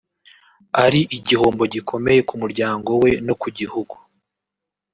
ari igihombo gikomeye ku muryango we no ku gihugu